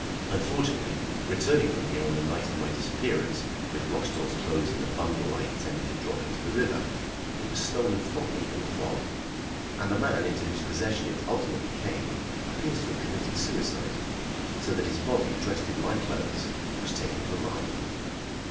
Unfortunately, returning from here on the night of my disappearance, with Roxdal's clothes in a bundle I intended to drop into the river, it was stolen from me in the fog, and the man into whose possession it ultimately came appears to have committed suicide, so that his body dressed in my clothes was taken for mine.